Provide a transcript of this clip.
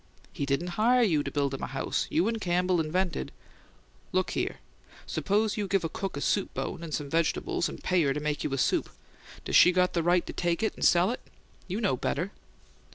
"He didn't hire you to build him a house. You and Campbell invented " "Look here: suppose you give a cook a soup bone and some vegetables, and pay her to make you a soup: has she got a right to take and sell it? You know better!"